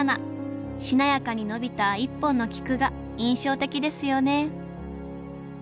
しなやかに伸びた１本の菊が印象的ですよね